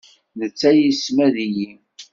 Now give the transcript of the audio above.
Netta yessmad-iyi.